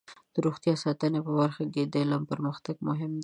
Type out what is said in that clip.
د روغتیا ساتنې په برخه کې د علم پرمختګ مهم دی.